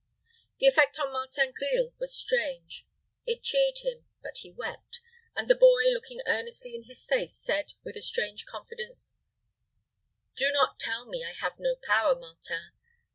The effect on Martin Grille was strange. It cheered him, but he wept; and the boy, looking earnestly in his face, said, with a strange confidence, "Do not tell me I have no power, Martin.